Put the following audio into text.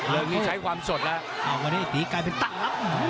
เริ่งนี้ใช้ความสดแล้วเอ้าวันนี้ตีกลายเป็นตะหลับ